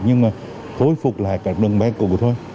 nhưng mà thối phục lại các đường bay cục thôi